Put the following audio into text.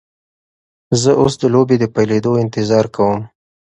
زه اوس د لوبې د پیلیدو انتظار کوم.